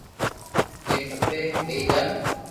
جي کپي لئي جا